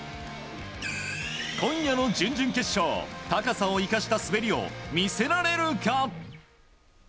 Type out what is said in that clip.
今夜の準々決勝高さを生かした滑りを見せられるか。